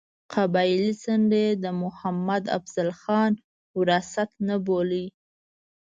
قبایلي څنډه یې د محمد افضل خان وراثت نه بولي.